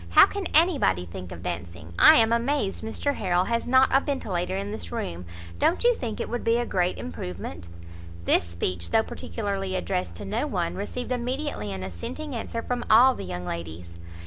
How can anybody think of dancing! I am amazed Mr Harrel has not a ventilator in this room. Don't you think it would be a great improvement?" This speech, though particularly addressed to no one, received immediately an assenting answer from all the young ladies.